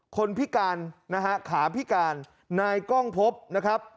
คนพิการนะฮะขาพิการนายกล้องพบนะครับ